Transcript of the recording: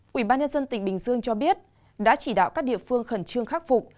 quỹ ban nhân dân tỉnh bình dương cho biết đã chỉ đạo các địa phương khẩn trương khắc phục